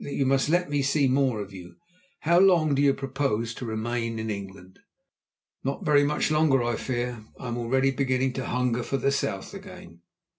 You must let me see more of you! How long do you propose remaining in England?" "Not very much longer, I fear. I am already beginning to hunger for the South again."